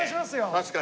確かに。